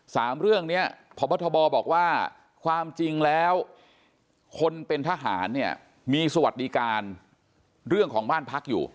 สามเรื่องนี้พบทบบอกว่าความจริงแล้วคนเป็นทหารเนี่ยมีสวัสดิการเรื่องของบ้านพักอยู่